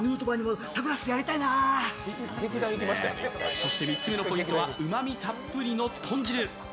そして３つ目のポイントはうまみたっぷりの豚汁。